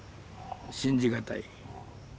信じがたい。